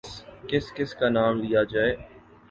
کس کس کا نام لیا جائے۔